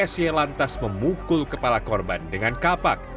sy lantas memukul kepala korban dengan kapak